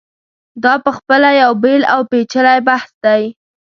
دا په خپله یو بېل او پېچلی بحث دی.